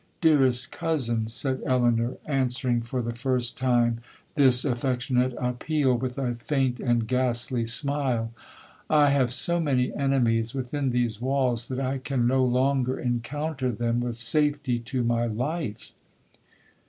—'Dearest cousin,' said Elinor, answering, for the first time, this affectionate appeal with a faint and ghastly smile—'I have so many enemies within these walls, that I can no longer encounter them with safety to my life.'